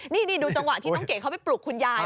นี่ดูจังหวะที่น้องเก๋เขาไปปลุกคุณยาย